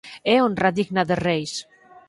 É honra digna de reis!